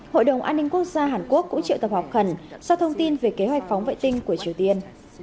hội đồng an ninh quốc gia hàn quốc cũng triệu tập họp khẩn do thông tin về kế hoạch phóng vệ tinh của triều tiên